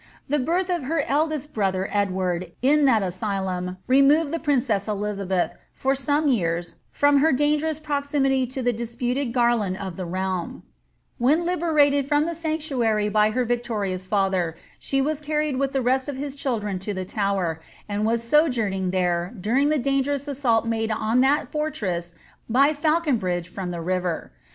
The birth of her eldest brother Edward, in that asylum, removed the princess Elizabeth, for some years, from her dangerous proximity to the disputed garland of the lealoL When liberated from the sanctuary by her victorious father, she was carried with the rest of his children to the Tower, and was sojourn ing there during the dangerous assault made on that fortress by Falcon bridge from the river.